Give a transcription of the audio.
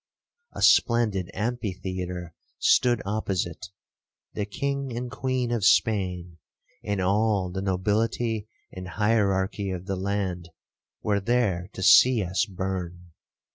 A splendid amphitheatre stood opposite,—the king and queen of Spain, and all the nobility and hierarchy of the land, were there to see us burn.